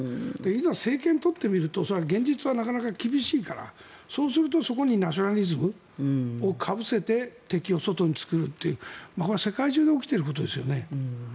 いざ政権を取ってみると現実はなかなか厳しいからそうすると、そこにナショナリズムをかぶせて敵を外に作るというこれは世界中で起きていることですよね。